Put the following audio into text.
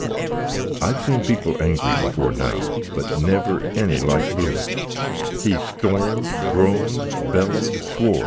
I've sean pipple angery before now, but never any like Blewitt. He stormed, groaned, belloed, swoar!